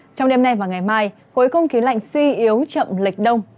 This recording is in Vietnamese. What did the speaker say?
trong đêm nay và ngày mai hối không khí lạnh suy yếu chậm lịch đông